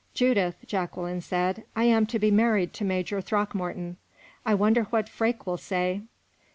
"Judith," Jacqueline said, "I am to be married to Major Throckmorton. I wonder what Freke will say!"